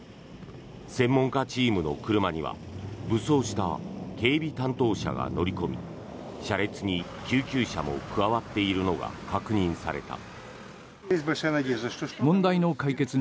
専門家チームの車には武装した警備担当者が乗り込み車列に救急車も加わっているのが確認された。